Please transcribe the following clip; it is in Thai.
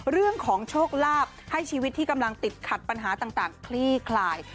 เรื่องของโชคลาภให้ชีวิตที่กำลังติดขัดปัญหาต่างคลี่คลาย